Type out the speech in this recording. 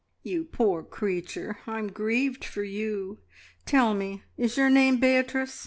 "You poor creature, I'm grieved for you! Tell me, is your name Beatrice?